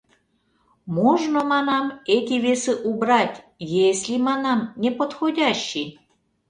— Можно, манам, эти весы убрать, если, манам, не подходящи.